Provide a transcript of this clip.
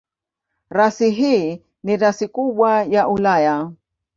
Rasi hii ni rasi kubwa ya Ulaya.